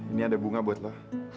ini ada bunga buat lo